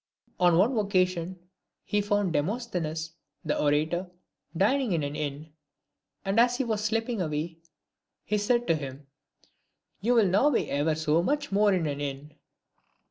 On one occasion he found Demosthenes, the orator, dining in an inn ; and as he was slipping away, he said to him, " You will now be ever so much more in an inn."